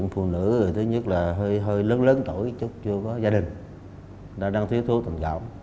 phụ nữ thứ nhất là hơi lớn lớn tuổi chưa có gia đình đang thiếu thú tình cảm